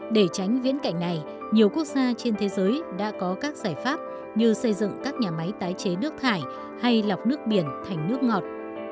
để tránh viễn cảnh này nhiều quốc gia trên thế giới đã có các giải pháp như xây dựng các nhà máy tái chế nước thải hay lọc nước biển thành nước ngọt